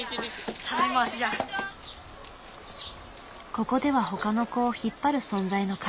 ここではほかの子を引っ張る存在の彼。